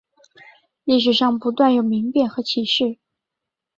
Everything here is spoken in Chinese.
历史上不断有民变和起事。